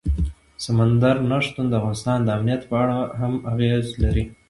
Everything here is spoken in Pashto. سمندر نه شتون د افغانستان د امنیت په اړه هم اغېز لري.